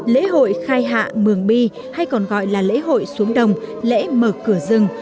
lễ hội khai hạ mường bi hay còn gọi là lễ hội xuống đồng lễ mở cửa rừng